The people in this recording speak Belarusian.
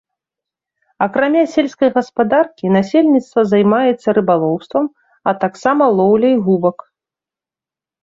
Акрамя сельскай гаспадаркі насельніцтва займаецца рыбалоўствам, а таксама лоўляй губак.